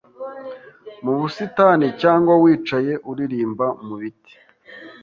mu busitani cyangwa wicaye uririmba mu biti